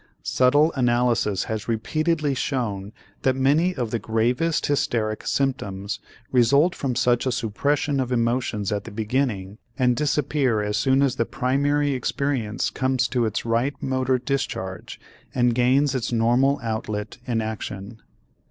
Subtle analysis has repeatedly shown that many of the gravest hysteric symptoms result from such a suppression of emotions at the beginning and disappear as soon as the primary experience comes to its right motor discharge and gains its normal outlet in action.